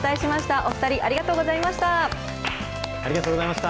お２人ありがとうございました。